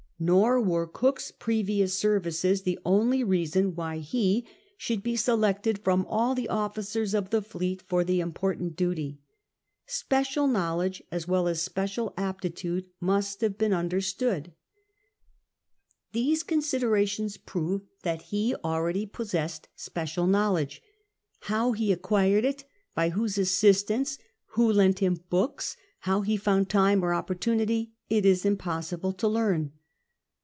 Nor were Cook's previous services the only reason why he should be selected from all the officers of the fleet for the important duty. Special knowledge, as well as special aptitude, must have been understood. 32 CAPTAIN COOK CHAP. These considerations prove that he already possessed special knowledge. How he acquired it, by whose assist ance, who lent him books, how he found time or oppor tunity, it is impossible to learn.